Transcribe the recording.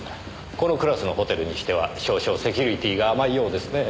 このクラスのホテルにしては少々セキュリティーが甘いようですね。